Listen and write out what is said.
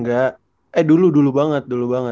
gak eh dulu dulu banget